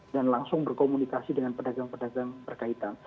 dan langsung berkomunikasi dengan perdagang perdagang berkaitan